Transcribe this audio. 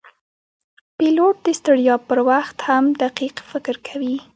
پیلوټ د ستړیا پر وخت هم دقیق فکر کوي.